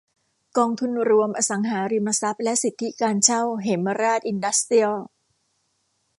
กองทุนรวมอสังหาริมทรัพย์และสิทธิการเช่าเหมราชอินดัสเตรียล